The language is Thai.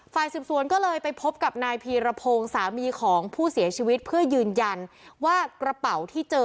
ฝ่ายสืบสวนก็เลยไปพบกับนายพีรพงศ์สามีของผู้เสียชีวิตเพื่อยืนยันว่ากระเป๋าที่เจอ